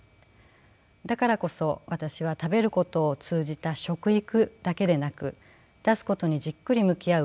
だからこそ私は食べることを通じた食育だけでなく出すことにじっくり向き合う